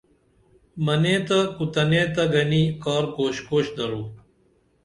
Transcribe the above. منے تہ کُو تنے تہ گنی کار کوش کوش درو